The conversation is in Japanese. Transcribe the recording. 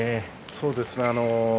そうですね。